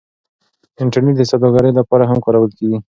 انټرنیټ د سوداګرۍ لپاره هم کارول کیږي.